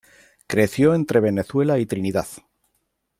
Creció entre Venezuela y Trinidad.